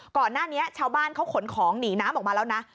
ก่อนหน้านี้ชาวบ้านเขาขนของหนีน้ำออกมาแล้วนะ